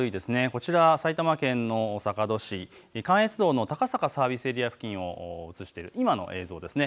こちらは埼玉県の坂戸市関越道の高坂サービスエリア付近を映している今の映像です。